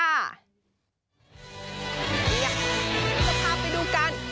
เราพาไปดูกัน